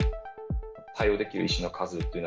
対応できる医師の数というの